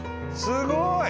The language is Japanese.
すごい！